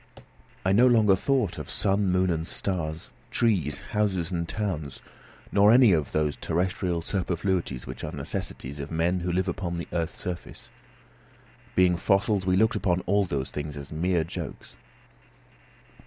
I no longer thought of sun, moon, and stars, trees, houses, and towns, nor of any of those terrestrial superfluities which are necessaries of men who live upon the earth's surface. Being fossils, we looked upon all those things as mere jokes.